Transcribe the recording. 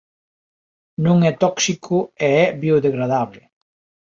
Non é tóxico e é biodegradable.